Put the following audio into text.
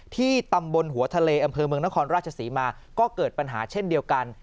ที่ตำบลหัวทะเลอำเภอเมืองนครราชศรีมาก็เกิดปัญหาเช่นเดียวกัน